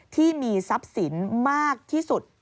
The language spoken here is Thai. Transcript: ที่มีทรัพย์สินมากที่สุด